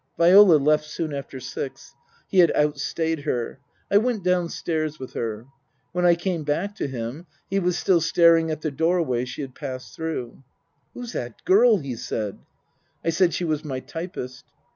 Viola left soon after six. He had outstayed her. I went downstairs with her. When I came back to him he was still staring at the doorway she had passed through. " Who's that girl ?" he said. I said she was my typist.